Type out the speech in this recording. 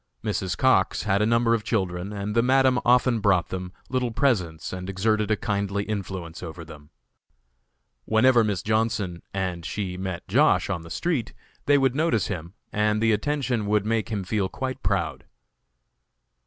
Mrs. Cox had a number of children and the Madam often bought them little presents and exerted a kindly influence over them. Whenever Miss Johnson and she met Josh. on the street they would notice him, and the attention would make him feel quite proud.